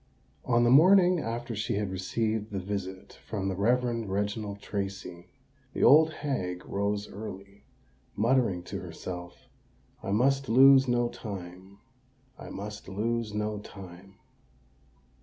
On the morning after she had received the visit from the Reverend Reginald Tracy, the old hag rose early, muttering to herself, "I must lose no time—I must lose no time."